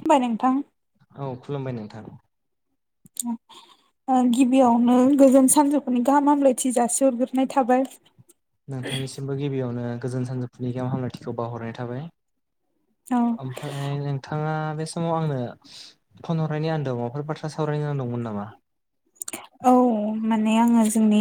खोनाबाय नोंथां? औ खुलुमबाय नोंथां। गिबियावनो गोजोन सानजैफु गाहाम हामलायथि जासि हरग्रोबोनाय थाबाय। नोंथांनिसिमबो गिबियावनो गोजोन सानजौफुनि गोजाम हामलायथिखौ बावहरनाय थाबाय। औ ओमफ्राय ओमफ्राय नोंथाङा बे समाव आंनो फन हरनायनि आन्दोआव माबाफोर बाथ्रा सावरायनो गोनां दंमोन नामा? औ माने आङो जोंनि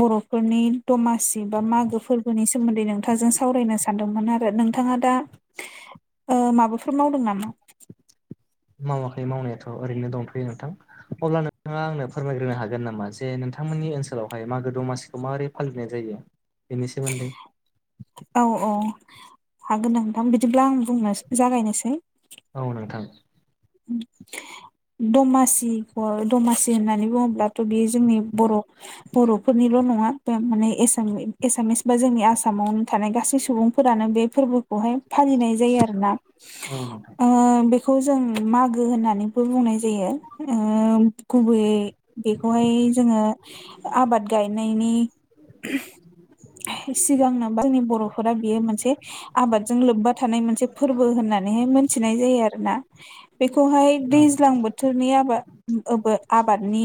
बर'फोरनि दमासि बा मागो फोरबोनि सोमोन्दै नोंथांजों सावरायनो सै। सानदोंमोन आरो नोंथाङा दा ओ माबाफोर मावदों नामा? मावाखै मावनायाथ' ओरैनो दंथ'यो नोंथां। अब्ला नोंथाङा आंनो फोरमायग्रो हागोन नामा जे नोंथांमोननि ओनसोलावहाय मागो दमासिखौ माबोरै फालिनाय जायो बेनि सोमोन्दै। औ-औ हागोन नांथां बिदिब्ला आं बुंनो जागायनोसै। औ नोंथां। [inaudible] दमासिखौ दमासि होननानै बुङोब्लाथ' बे जोंनि बर' बर'फोरनिल' नङा माने बे एसा एसामिस बा जोंनि आसामावनो थानाय गासै सुबुं फोरानो बे फोरबोखौहाय फालिनाय जायो आरोना औ नोंथां ओ बेखौ जों मागो होननानैबो बुंनाय जायो ओ गुबैयै बेखौहाय जोंङो आबाद गाय नायनि सिगांनो बा जोंनि बर'फोरा बियो मोनसे आबादजों लोब्बा थानाय मोनसे फोरबो होननानैहाय मोनथिनाय जायो आरो ना बेखौहाय औ दैज्लां बोथोरनि आबाद ओबो आबादनि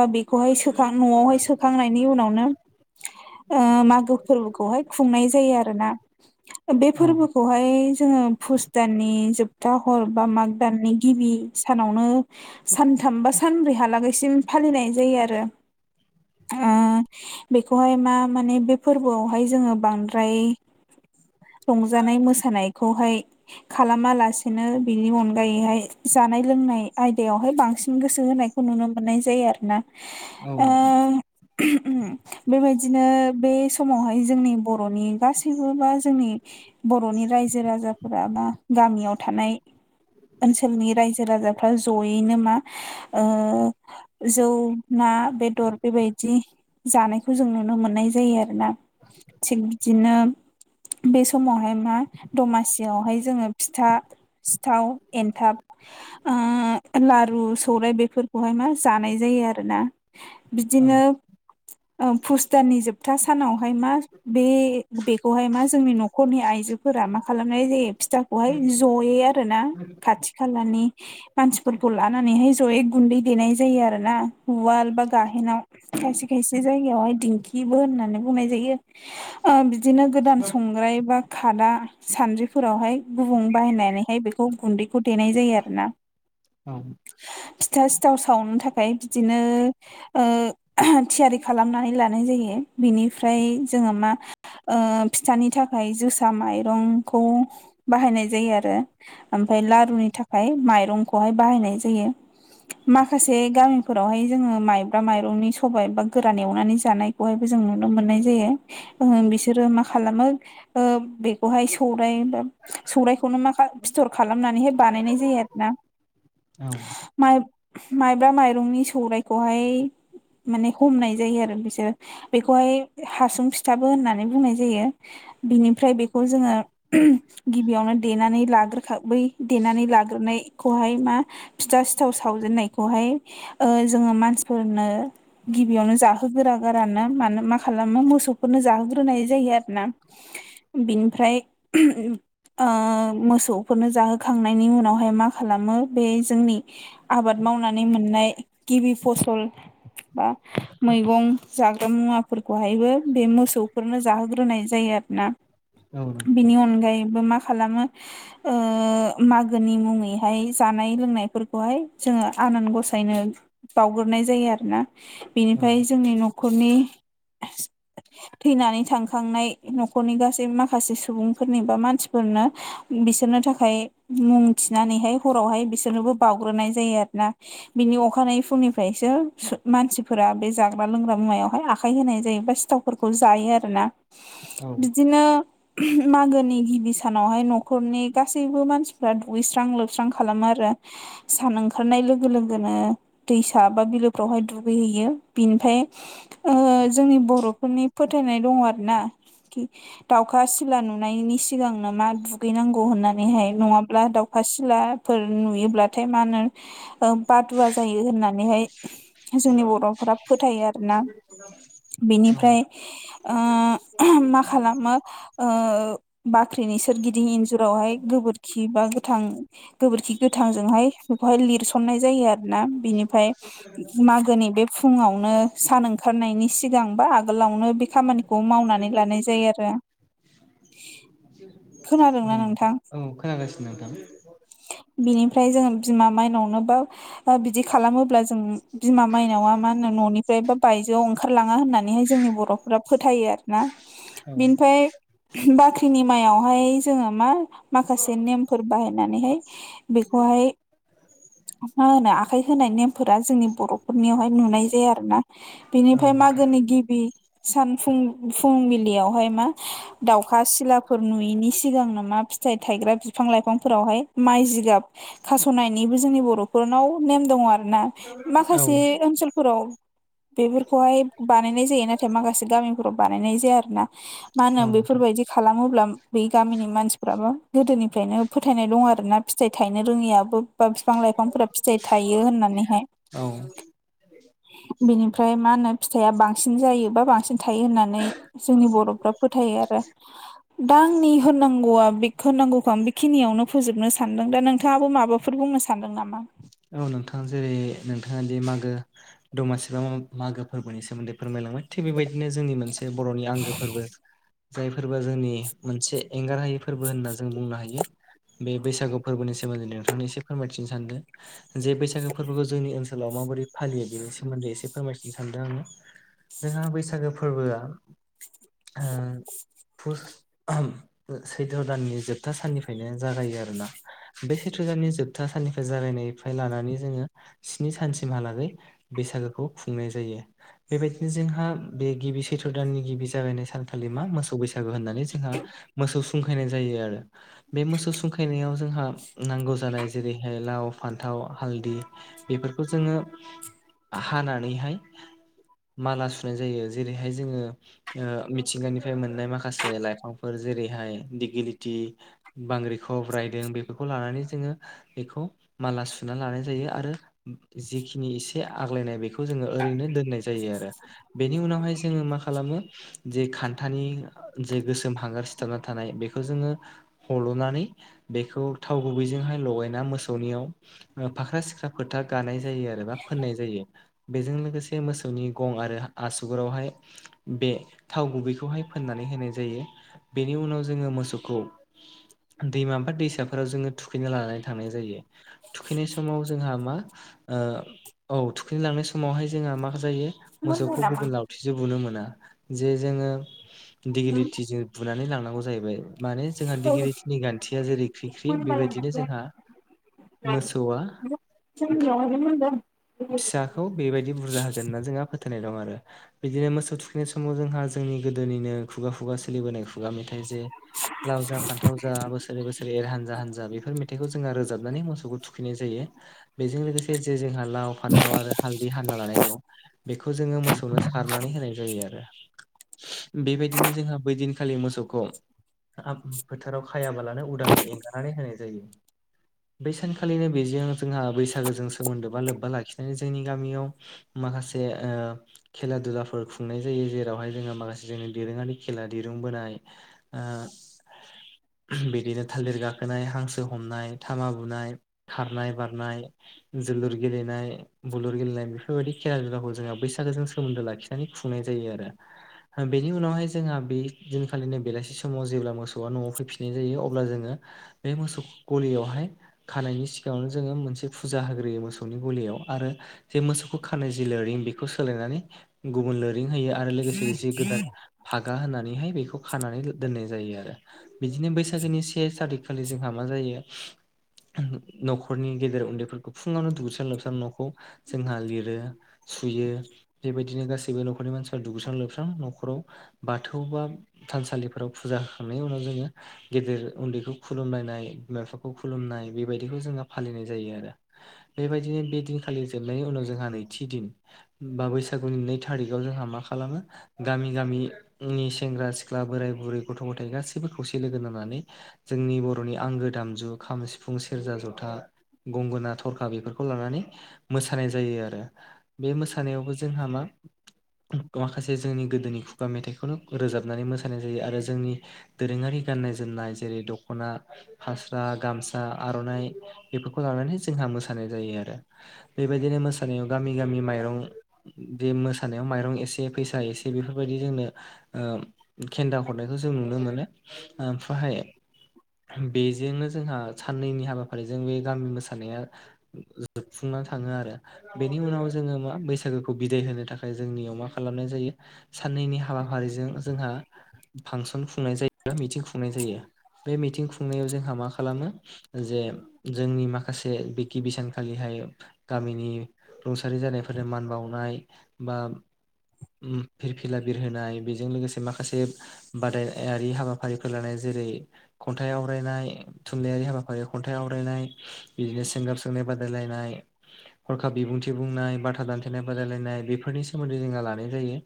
बा बेखौहाय सोखां न'आवहाय सोखांनायनि उनावनो ओ मागो फोरबोखौहाय खुंनाय जायो आरो ना। बे औ फोरबोखौहाय जोङो पुस दाननि जोबथा हर बा माग दाननि गिबि सानावनो सानथाम बा सानब्रैहालागैसिम फालिनाय जायो आरो। बेखौहाय मा माने बे फोरबोआवहाय जोङो बांद्राय संजानाय मोसानायखौहाय खालामालासिनो बिनि अनगायैहाय जानाय लोंनाय आयदायावहाय बांसिन गोसो होनायखौ नुनो मोननाय जायो आरोना औ नोंथां उ बेबायदिनो बे समावहाय जोंनि बर'नि गासैबो बा जोंनि बर'नि रायजो राजाफोरा बा गामियाव थानाय ओनसोलनि रायजो राजाफ्रा जयैनो मा ओ जौ ना बेदर बेबायदि जानायखौ जों नुनो मोननाय जायो आरोना थिग बिदिनो बे समावहाय मा दमासियावहाय जोङो फिथा थाव एन्थाब ओ लारु सौराइ बेफोरखौहाय मा जानाय जायो आरोना औ बिदिनो फुस दाननि जोबथा सानावहाय मा बे बेखौहाय मा जोंनि न' खरनि आइजोफोरा मा खालामनाय जायो फिथाखौहाय जयै आरोना खाथि खालानि मानसिफोरखौ लानानैहाय ज'यै गुन्दै देनाय जायो आरो ना उवाल बा गाहेनाव खायसे खायसे जायगायावहाय दिंखिबो होननानै बुंनाय जायो ओ बिदिनो गोदान संग्राय बा खादा सानद्रिफोरावहाय गुबुं बाहायनानै माय बेखौ गुन्दैखौ देनाय जायो आरो ना औ फिथा सिथाव सावनो थाखाय बिदिनो ओ थियारि खालामनानै लानाय जायो बिनिफ्राय जोङो मा ओ फिथानि थाखाय जोसा माइरंखौ बाहायनाय जायो आरो ओमफ्राय लारुनि थाखाय माइरंखौहाय बाहायनाय जायो माखासे गामिफोरावहाय जोङो माइब्रा माइरंनि सबाय एबा गोरान एवनानै जानाय बहायबो जों नुनो मोननाय जायो उम बिसोरो मा खालामो ओ बेखौहाय सौराय बा सौरायखौनो मा खा फिथर खालामनानैहाय बानायनाय जायो आरो ना औ माइ माइब्रा माइरंनि सौरायखौहाय माने हमनाय जायो आरो बिसोरो बेखौहाय हासुं फिथाबो होननानै बुंनाय जायो बिनिफ्राय बेखौ जोङो गिबियावनो देनानै ला खा बै देनानै लाग्रोनायखौहाय मा फिथा सिथाव सावजेननायखौहाय ओ जोङो मानसिफोरनो गिबियावनो जाहोगोरा गारानो मानो मा खालामो मोसौफोरनो जाहोग्रोनाय जायो आरोना बिनिफ्राय ओ मोसौ फोरनो जाहोखांनायनि उनावहाय मा खालामो बे जोंनि आबाद मावनानै मोननाय गिबि फसल बा मैगं जाग्रा मुवाफोरखौहायबो बे मोसौफोरनो जाहोग्रोनाय जायो आरो ना औ बिनि अनगायैबो मा खालामो ओ मागोनि मुङैहाय जानाय लोंनायफोरखौहाय जोङो आनान गसाइनो बावग्रोनाय जायो आरोना औ बेनिफ्राय जोंनि न'खरनि थैनानै थांखांनाय न'खरनि गासै माखासे सुबुंफोरनि बा मानसिफोरनो बिसोरनो थाखाय मुं थिनानैहाय हरावहाय बिसोरनोबो बावउग्रोनाय जायो आरो ना बिनि अखानायै फुंनिफ्रायसो मानसिफोरा बे जाग्रा लोंग्रा मुवायावहाय आखाय होनाय जायोबा सिथाव फोरखौ जायो आरो ना बिदिनो मागोनि गिबि सानावहाय न'खरनि गासैबो मानसिफ्रा दुगैस्रां लोबस्रां खालामो आरो सान ओंखारनाय लोगो लोगोनो दैसा बा बिलोफ्रावहाय दुगैहैयो बिनिफाय ओ जोंनि बर'फोरनि फोथायनाय दङ आरो ना खि दाउखा सिला नुनायनि सिगांनो मा दुगैनांगौ होननानैहाय नङाब्ला दाउ दाउखा सिलाफोर नुयोब्लाथाय मा होनो बादुवा जायो होननानैहाय जोंनि बर'फोरा फोथायो आरोना [inaudible] बिनिफ्राय ओ मा खालामो ओ बाख्रिनि सोरगिदिं इन्जुरावहाय गोबोरखि बा गोथां गोबोरखि गोथांजोंहाय बेखौहाय लिरसननाय जायो आरोना बेनिफ्राय मागोनि बे फुङावनो सान ओंखारनायनि सिगां बा आगोल लावनो बे खामानिखौ मावनानै लानाय जायो आरो औ नोंथां औ खोनागासिनो नोंथां बिनिफ्राय जोङो बिमा माइनावनोबो बा बिदि खालामोब्ला जों बिमा माइनावा मा होनो न'निफ्राय बा बायजोआव ओं खारलाङा होननानैहाय जोंनि बर'फोरा फोथायो आरोना औ बेनिफ्राय बाख्रिनि माइयावहाय जोङो मा माखासे नेमफोर बाहायनानैहाय बेखौहाय मा होनो आखाइ होनाय नेमफोरा जोंनि बर'फोरनियावहाय नुनाय जाया आरो ना औ बिनिफ्राय नोंथां मागोनि गिबि सान फुं- फुंबिलियावहाय मा दाउखा सिलाफोर नुयैनि सिगांनो मा फि थाइ थाइग्रा बिफां लाइफांफोरावहाय माइ जिगाब खास'नायनिबो जोंनि बर'फोरनाव नेम दङ आरो ना औ माखासे ओनसोलफोराव बेफोरखौहाय बानायनाय जायो नाथाय माखासे गामिफोराव बानायनाय जाया आरो ना मा होनो औ नोंथां बेफोरबायदि खालामोब्ला बै गामिनि मानसि फ्राबो गोदोनिफ्रायनो फोथायनाय दं आरोना फिथाइ थायनो रोङियाबो बा फिफां लाइफांफोरा फिथाइ थायो होननानैहाय औ बिनिफ्राय मा होनो फिथाइआ बांसिन जायोबा बांसिन थायो होननानै नै जोंनि बर'फ्रा फोथायो आरो दा आंनि होननांगौआ बेख होननांगौखौ आं बेखिनियावनो फोजोबनो सानदों दा नोंथाङाबो माबाफोर बुंनो सानदों नामा औ नोंथाङ जेरै नोंथाङा दि मागो दमासि बा मागो फोरबोनि सोमोन्दै फोरमायलांबाय थिग बेबायदिनो जोंनि मोनसे बर'नि आंगो फोरबो जाय फोरबोआ जोंनि मोनसे एंगारहायै फोरबो होनना जों बुंनो हायो बे बैसागु फोरबोनि सोमोन्दै नोंथांनो एसे फोरमायथिनो सानदों जे बैसागो फोरबोखौ जोंनि ओनसोलाव माबोरै फालियो बेनि सोमोन्दै एसे फोरमायथिनो सानदों आङो जोंहा बैसागो फोरबोआ ओ। पुस ओहोम सैथ्र' दाननि जोबथा साननिफ्रायनो जागायो आरोना। बे सैथ्र'दाननि जोबथा साननिफ्राय जागायनाय निफ्राय लानानै जोङो स्नि सानसिमहालागै बैसागोखौ खुंनाय जायो। बेबायदिनो जोंहा बे गिबि सैथ्र दाननि गिबि जागायनाय सानखालि मा मोसौ बैसागु होननानै। जोंहा मोसौ। सुंखायनाय जायो आरो बे मोसौ सुंखायनायाव जोंहा नांगौ जानाय जेरैहाय लाव। फान्थाव हालदि बेफोरखौ जोङो हानानैहाय। माला सुनाय जायो जेरैहाय जोङो। ओ मिथिंगानिफ्राय मोननाय माखासे लाइफांफोर जेरैहाय दिगलिटि। बांग्रिख'ब रायदों बेफोरखौ लानानै जोङो बेखौ माला सुना लानाय जायो आरो। जिखिनि एसे आग्लायनाय बेखौ जोङो ओरैनो दोननाय जायो आरो। बेनि उनावहाय जोङो मा खालामो। जे खान्थानि जे गोसोम हांगार सिथाबना थानाय बेखौ जोङो। हल'नानै बेखौ थाव गुबैजोंहाय लगायना मोसौनियाव। फाख्रा सिख्रा फोथा गानाय जायो आरो बा फोननाय जायो। बेजों लोगोसे मोसौनि गं आरो आसुगुरावहाय। बे थाव गुबैखौहाय फोननानै होनाय जायो बेनि उनाव जोङो मोसौखौ। दैमा बा दैसाफोराव जोङो थुखैना लानानै थांनाय जायो। थुखैनाय समाव जोंहा मा ओ औ थुखैनोलांनाय समावहाय जोंहा मा जायो। मोसौखौ गुबुन लावथिजों बुनो मोना जे जोङो दिगलिटिजों। बुनानै लांनांगौ जाहैबाय माने जोंहा दिगलिथिनि गान्थिया जेरै ख्रि ख्रि बेबायदिनो जोंहा। मोसौआ फिसा। खौ बेबायदि बुरजा होगोन होनना जोंहा फोथायनाय दं आरो। बिदिनो मोसौ थुखैनाय समाव जोंहा जोंनि गोदोनिनो खुगा खुगा सोलिबोनाय खुगा मेथाइ जे। लाव जा फान्थाव जा बोसोरै बोसोरै एर हानजा हानजा बेफोर मेथाइखौ जोंङो रोजाबनानै मो सौखौ थुखैनाय जायो बेजों लोगोसे जे जोंहा लाव फान्थाव आरो हालदि हानना लानाय दं। बेखौ जोङो मोसौनो सारनानै होनाय जायो आरो। बेबायदिनो जोंहा बैदिनखालि मोसौखौ। फोथाराव खायाबालानो उदाङै एंगारनानै होनाय जायो। बै सानखालिनो बेजों जोंहा बैसागोजों सोमोन्दो बा लोब्बा लाखिनानै जोंनि गामियाव। माखासे ओ। खेला दुलाफोर खुंनाय जायो जेरावहाय जोङो माखासे जोंनि दोरोङारि खेला दिरुंबोनाय। ओ बिदिनो थालिर गाखोनाय हांसो हमनाय घामा। बुनाय खारनाय बारनाय जोलुर गेलेनाय। बुलुर गेलेनाय बेफोरबायदि खेला दुलाखौ जोंहा बैसागोजों सोमोन्दो लाखिनानै खुंनाय जायो आरो। ओ बेनि उनावहाय जोंहा बे दिनखालिनो बेलासि समाव जेब्ला मोसौआ न'आव फैफिननाय जायो अब्ला जोङो। बे मोसौ गलियावहाय। खानायनि सिगाङावनो जोङो मोनसे फुजा होग्रोयो मोसौनि गलियाव आरो। जे मोसौखौ खानाय जि लोरिं बेखौ सोलायनानै गुबुन लोरिं होयो। आरो लोगोसे जि गोदान फागा होनानैहाय बेखौ खानानै दोननाय जायो आरो। बिदिनो बैसागोनि से थारिख खालि जोंहा मा जायो। न'खरनि गेदेर उन्दैफोरखौ फुङावनो दुगैस्रां लोबस्रां न'खौ जोंहा लिरो। सुयो बेबायदिनो गासैबो न'खरनि मानसि। दुगैस्रां लोबस्रां न'खराव बाथौ बा थानसालिफोराव फुजा होखांनायनि उनाव जोङो। गेदेर उन्दैखौ खुलुमलायनाय बिमा बिफाखौ खुलुमनाय बेबायदिखौ जोंङो फालिनाय जायो आरो। बेबायदिनो बे दिनखालि जोबनायनि उनाव जोंहा नैथि दिन। बा बैसागुनि नै थारिखआव जोंहा मा खालामो। गामि गामि नि सेंग्रा सिख्ला बोराय बुरै गथ' गथाय गासैबो खौसे लोगो नांनानै। जोंनि बर'नि आंगो दामजु खाम सिफुं। सिफुं सेरजा जथा गंगोना थरखा बेफोरखौ लानानै मोसानाय जायो आरो बे मोसानायावबो जोंहा मा माखासे जोंनि गोदोनि खुगा मेथाइखौनो रोजाबनानै मोसानाय जायो आरो जोंनि दोरोङारि गाननाय जोमनाय जेरै दख'ना फास्रा गामसा आर'नाइ बेफोरखौ लानानै जोंहा मोसानाय जायो आरो बेबायदिनो मोसानायाव गामि गामि माइरं बे मोसानायाव माइरं एसे फैसा एसे बेफोरबायदि जोंनो खेन्दा हरनायखौ जों नुनो मोनो ओमफ्रायहाय बेजोंनो जोंहा साननैनि हाबाफारिजों बे गामि मोसानाया जोबफुंना थाङो आरो बेनि उनाव जोङो मा बैसागोखौ बिदाय होनो थाखाय जोंनियाव मा खालामनाय जायो साननैनि हाबाफारिजों जोंहा फांसन खुंनाय जायोबा मिथिं खुंनाय जायो बे मिथिं खुंनायाव जोंहा मा खालामो जे जोंनि माखासे बि गिबि सानखालिहाय गामिनि रुंसारि जानायफोरजों मान बावनाय बा उम फिरफिला बिर होनाय बेजों लोगोसे माखासे बादायारि हाबाफारिफोर लानाय जेरै खन्थाइ आवरायनाय थुनलाइारि हाबाफ आफ खन्थाइ आवरायनाय बिदिनो सोंगाब सोंनाय बादायलायनाय हरखाब बिबुंथि बुंनाय बाथा दान्थेनाय बादायलायनाय बेफोरनि सोमोन्दै जोंहा लानाय जायो।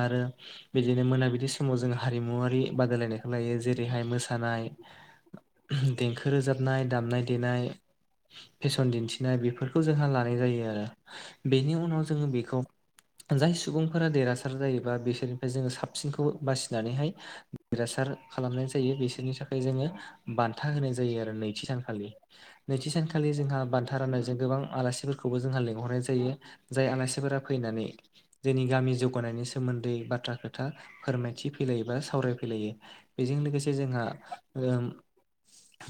आरो बिदिनो मोनाबिलि समाव जों हारिमुवरारि बादायलायनायखौ लायो जेरैहाय मोसानाय देंखो रोजाबनाय दामनाय देनाय फेसन दिन्थिनाय बेफोरखौ जोंहा लानाय जायो आरो बेनि उनाव जोङो बेखौ जाय सुबुंफोरा देरहासार जायोबा बिसोरनिफ्राय जोङो साबसिनखौ बासिनानैहाय देरहासार खालामनाय जायो बिसोरनि थाखाय जोङो बान्था होनाय जायो आरो नैथि सानखालि नैथि सानखालि जोंहा बान्था राननायजों गोबां आलासिफोरखौबो जोंहा लेंहरनाय जायो। जाय आलासिफोरा फैनानै जोंनि गामि जौगानायनि सोमोन्दै बाथ्रा खोथा फोरमायथि फैलायो बा सावरायफैलायो बेजों लोगोसे जोंहा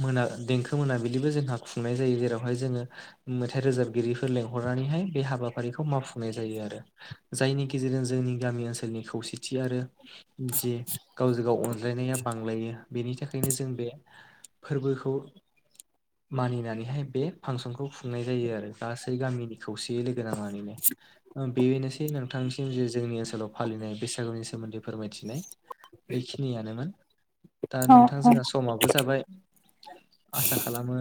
मोना देंखो मोनाबिलिबो जोंहा खुंनाय जायो जेरावहाय जोङो मेथाइ रोजाबगिरिफोर लेंंहरनानैहाय बे हाबाफारिखौ मावफुंनाय जायो आरो। जायनि गेजेरजों जोंनि गामि ओनसोलनि खौसेथि आरो जि गावजों गाव अनज्लायनाया बांलायो बेनि थाखायनो जों बे फोरबोखौ मानिनानैहाय बे फांसनखौ खुंनाय जायो आरो गासै गामिनि खौसे लोगो नांनानैनो बेनोसै नोंथांसिम जे जोंनि ओनसोलाव फालिनाय बैसागुनि सोमोन्दै फोरमायथिनाय बेखिनियानोमोन दा औ नोंथां औ जोंहा समाबो जाबाय आसा खालामो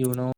इयुनाव